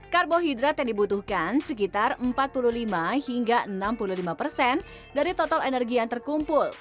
karbohidrat yang dibutuhkan sekitar empat puluh lima hingga enam puluh lima persen dari total energi yang terkumpul